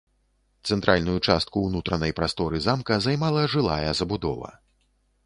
Цэнтральную частку ўнутранай прасторы замка займала жылая забудова.